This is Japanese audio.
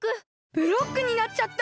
ブロックになっちゃった！